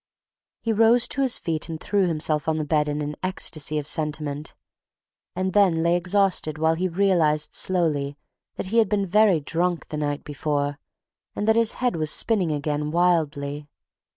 He rose to his feet and threw himself on the bed in an ecstasy of sentiment, and then lay exhausted while he realized slowly that he had been very drunk the night before, and that his head was spinning again wildly.